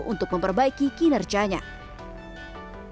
untuk memperbaiki kinerja dan penyelidikan kinerja mereka